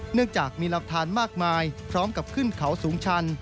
เนื่องจากมีหลักฐานมากมายพร้อมกับขึ้นเขาสูงชัน